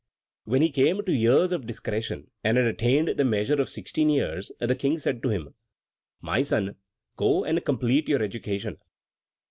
When he came to years of discretion, and had attained the measure of sixteen years, the King said to him: "My son, go and complete your education."